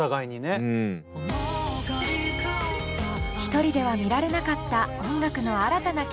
１人では見られなかった音楽の新たな景色